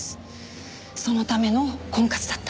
そのための婚活だったので。